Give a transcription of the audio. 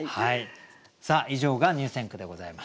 さあ以上が入選句でございました。